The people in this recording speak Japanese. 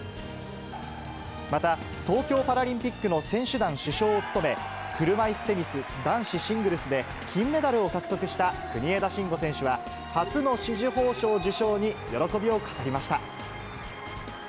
また、東京パラリンピックの選手団主将を務め、車いすテニス男子シングルスで、金メダルを獲得した国枝慎吾選手は、初の紫綬褒章受章に喜びを語りました。